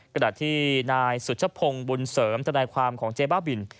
ขณะที่นายสุชพงศ์บุญเสริมทนายความของเจ๊บ้าบิน